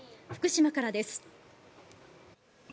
福島からです。